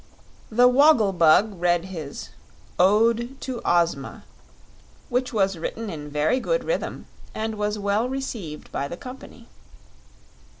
The Woggle Bug read his "Ode to Ozma," which was written in very good rhythm and was well received by the company.